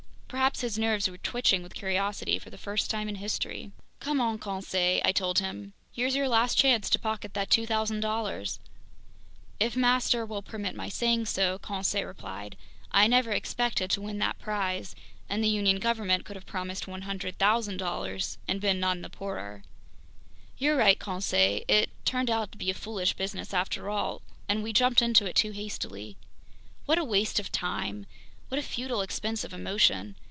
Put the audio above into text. Perhaps his nerves were twitching with curiosity for the first time in history. "Come on, Conseil!" I told him. "Here's your last chance to pocket that $2,000.00!" "If master will permit my saying so," Conseil replied, "I never expected to win that prize, and the Union government could have promised $100,000.00 and been none the poorer." "You're right, Conseil, it turned out to be a foolish business after all, and we jumped into it too hastily. What a waste of time, what a futile expense of emotion!